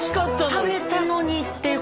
食べたのにっていうことは。